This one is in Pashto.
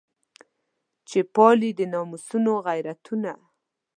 چې پالي د ناموسونو غیرتونه.